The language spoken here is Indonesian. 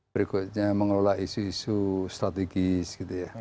berikutnya mengelola isu isu strategis gitu ya